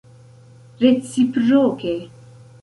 reciproke